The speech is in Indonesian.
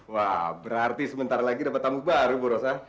wah berarti sebentar lagi dapat tamu baru bu rosa